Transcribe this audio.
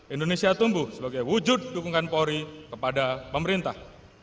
indonesia tumbuh sebagai wujud dukungan polri kepada pemerintah